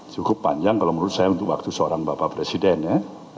cukup panjang kalau menurut saya untuk waktu seorang bapak presiden ya